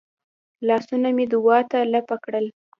لاسونه مې دعا ته لپه کړل.